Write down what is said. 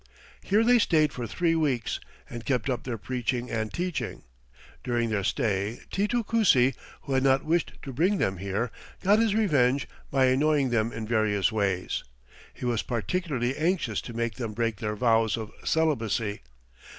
Here they stayed for three weeks and kept up their preaching and teaching. During their stay Titu Cusi, who had not wished to bring them here, got his revenge by annoying them in various ways. He was particularly anxious to make them break their vows of celibacy.